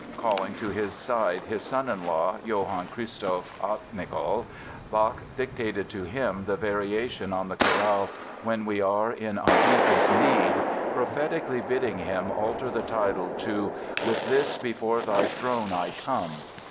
Calling to his side his son in law, Johann Christoph Altnikol, Bach dictated to him the variation on the chorale When We Are in Our Deepest Need, prophetically bidding him alter the title to With This Before Thy Throne I Come.